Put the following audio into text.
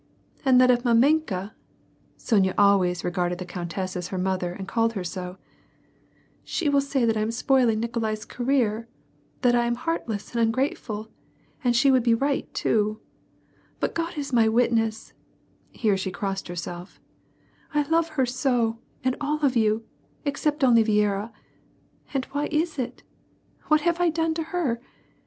And then if mamenka TSqnya always regarded the countess as her mother and called ner so) — she will say that I am spoiling Nikolai's career, that I am heart less and ungrateful, and she would be right, too ; but God is my witness (here she crossed herself), I love her so and all of you, except only Viera — and why is it? What have I done to her?